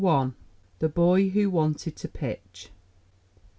THE BOY WHO WANTED TO PITCH.